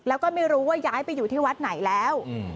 แล้วก็ไม่รู้ว่าย้ายไปอยู่ที่วัดไหนแล้ว